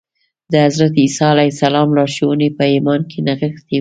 د حضرت عیسی علیه السلام لارښوونې په ایمان کې نغښتې وې